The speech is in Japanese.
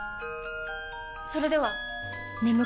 それでは！